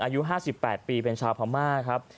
อายุ๕๘ปีเป็นชาวพม่าครับ